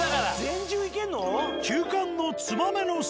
全１０いけんの？